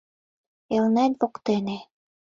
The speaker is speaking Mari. ЭЛНЕТ ВОКТЕНЕ